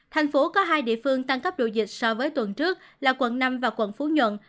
thành phố có hai địa phương tăng cấp độ dịch so với tuần trước là quận năm và quận phú nhuận